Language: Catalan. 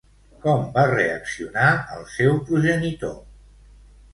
Com va reaccionar el seu progenitor?